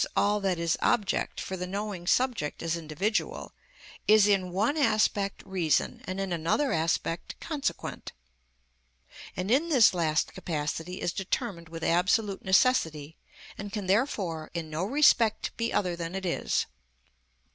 _, all that is object for the knowing subject as individual, is in one aspect reason, and in another aspect consequent; and in this last capacity is determined with absolute necessity, and can, therefore, in no respect be other than it is.